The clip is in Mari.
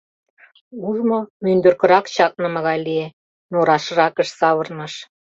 Ужмо мӱндыркырак чакныме гай лие, но рашракыш савырныш.